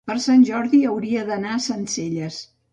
Per Sant Jordi hauria d'anar a Sencelles.